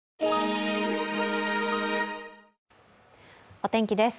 お天気です。